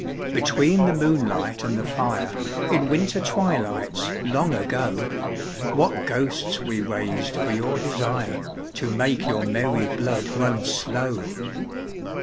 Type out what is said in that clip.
BETWEEN the moonlight and the fire In winter twilights long ago, What ghosts we raised for your desire To make your merry blood run slow!